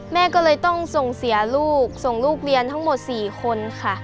แม่ก็เลยต้องส่งเสียลูกส่งลูกเรียนทั้งหมด๔คนค่ะ